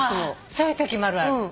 そういうときもあるある。